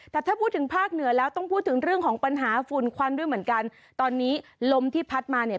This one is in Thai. แต่ถ้าพูดถึงภาคเหนือแล้วต้องพูดถึงเรื่องของปัญหาฝุ่นควันด้วยเหมือนกันตอนนี้ลมที่พัดมาเนี่ย